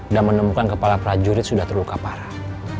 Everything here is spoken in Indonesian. dan menemukan kepala prajurit sudah terluka parah